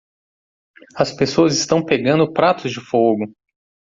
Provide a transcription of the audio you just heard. As pessoas estão pegando pratos de fogo.